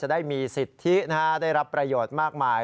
ได้มีสิทธิได้รับประโยชน์มากมาย